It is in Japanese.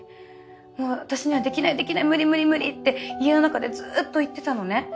もう私にはできないできない無理無理無理って家の中でずっと言ってたのね。